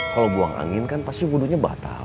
kalau buang angin kan pasti wudhunya batal